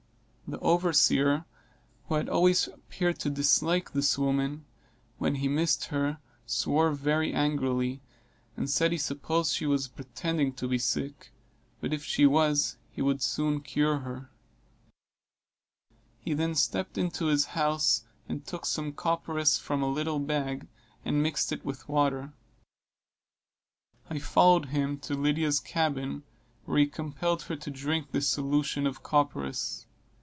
The overseer, who had always appeared to dislike this woman, when he missed her, swore very angrily, and said he supposed she was pretending to be sick, but if she was he would soon cure her. He then stepped into his house and took some copperas from a little bag, and mixed it with water. I followed him to Lydia's cabin, where he compelled her to drink this solution of copperas.